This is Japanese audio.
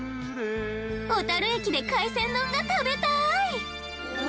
小樽駅で海鮮丼が食べたい！